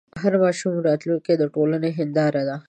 هر ماشوم د راتلونکي د ټولنې هنداره ده.